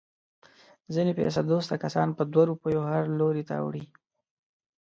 ځنې پیسه دوسته کسان په دوه روپیو هر لوري ته اوړي.